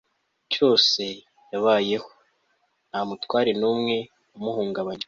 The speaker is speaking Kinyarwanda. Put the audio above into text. cyose yabayeho, nta mutware n'umwe wamuhungabanyije